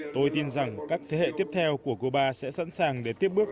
tôi tin rằng các thế hệ tiếp theo của cuba sẽ sẵn sàng để tiếp bước